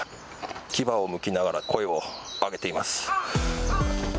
牙をむきながら声を上げています。